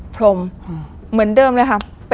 พลมเหมือนเดิมเลย